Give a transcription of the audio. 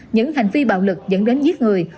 những hành vi bạo lực dẫn đến giết người